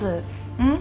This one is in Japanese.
うん？